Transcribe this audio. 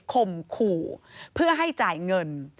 ข่มขู่เพื่อให้จ่ายเงิน